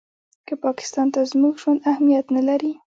که پاکستان ته زموږ ژوند اهمیت نه لري.